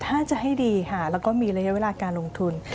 ถ้าจะให้ดีค่ะแล้วก็มีระยะเวลาการลงทุน